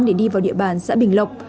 để đi vào địa bàn xã bình lộc